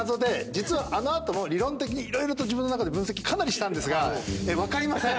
実はあの後も理論的に色々と自分の中で分析かなりしたんですが分かりません。